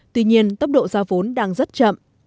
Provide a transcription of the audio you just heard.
tuy nhiên tốc độ giao vốn đang rất chậm